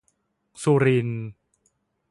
สุรินทร์